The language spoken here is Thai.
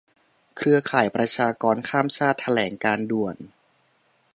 เครือข่ายประชากรข้ามชาติ แถลงการณ์ด่วน